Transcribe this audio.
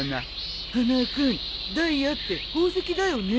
花輪君ダイヤって宝石だよね？